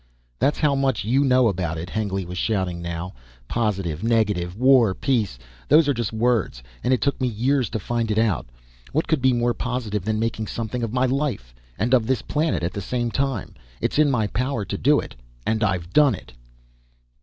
"That's how much you know about it." Hengly was shouting now. "Positive, negative. War, peace. Those are just words, and it took me years to find it out. What could be more positive than making something of my life and of this planet at the same time. It's in my power to do it, and I've done it."